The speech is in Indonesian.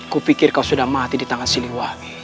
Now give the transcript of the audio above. kupikir kau sudah mati di tangan si liwa